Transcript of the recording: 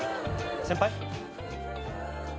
先輩？